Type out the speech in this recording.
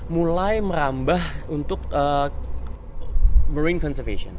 mulai merambah untuk loring conservation